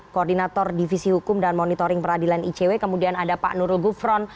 koordinator divisi hukum dan monitoring peradilan icw kemudian ada pak nurul gufron